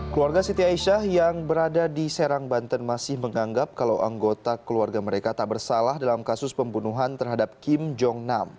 keluarga siti aisyah yang berada di serang banten masih menganggap kalau anggota keluarga mereka tak bersalah dalam kasus pembunuhan terhadap kim jong nam